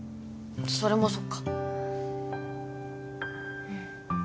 それもそっかうん